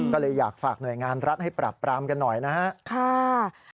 ก็เลยอยากฝากหน่วยงานรัฐให้ปรับปรามกันหน่อยนะครับ